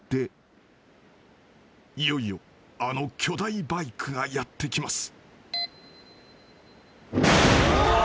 ［いよいよあの巨大バイクがやって来ます］